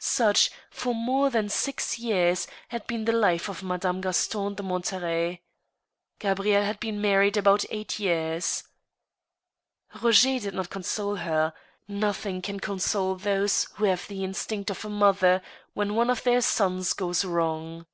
Such, for more than six years, had been the life of Madame Gaston de Monterey. Gabrieile had been married about eight years. Roger did not console her ; nothing can console those who have the instincts of a mother when one of their sons goes wrong.